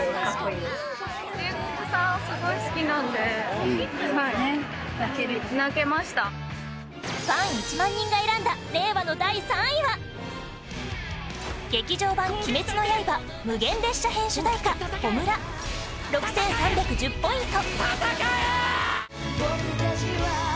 第３位はファン１万人が選んだ令和の第３位は『劇場版「鬼滅の刃」無限列車編』主題歌、『炎』６３１０ポイント